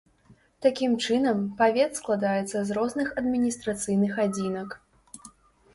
Такім чынам, павет складаецца з розных адміністрацыйных адзінак.